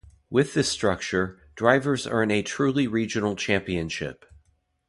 With this structure, drivers earn a truly regional championship.